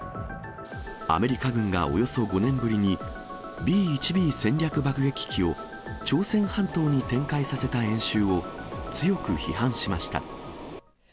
アメリカ軍がおよそ５年ぶりに、Ｂ１Ｂ戦略爆撃機を朝鮮半島に展開させた演習を、強く批判しました。